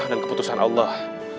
dan keputusan allah